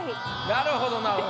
なるほどなるほど。